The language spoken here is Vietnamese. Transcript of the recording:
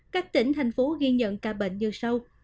các tỉnh thành phố ghi nhận ca bệnh như sau